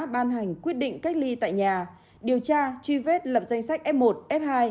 ban hành quyết định cách ly tại nhà điều tra truy vết lập danh sách f một f hai